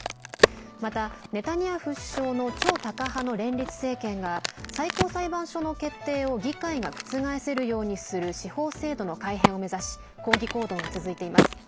また、ネタニヤフ首相の超タカ派の連立政権が最高裁判所の決定を議会が覆せるようにする司法制度の改変を目指し抗議行動が続いています。